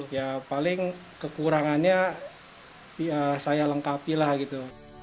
ya paling kekurangannya saya lengkapi lah gitu